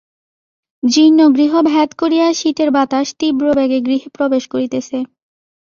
জীর্ণ গৃহ ভেদ করিয়া শীতের বাতাস তীব্রবেগে গৃহে প্রবেশ করিতেছে।